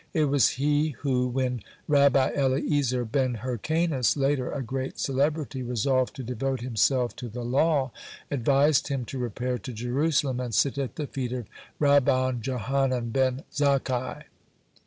It was he who, when Rabbi Eliezer ben Hyrcanus, later a great celebrity, resolved to devote himself to the law, advised him to repair to Jerusalem and sit at the feet of Rabban Johanan ben Zakkai.